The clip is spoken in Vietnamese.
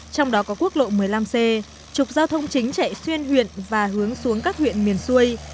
trong đó có quốc lộ một mươi năm c trục giao thông chính chạy xuyên huyện và hướng xuống các huyện miền xuôi